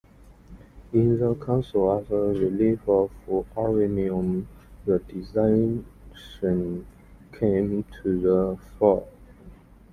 In the council after the relief of Ariminum, the dissension came to the fore.